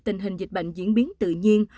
tình hình dịch bệnh diễn biến tự nhiên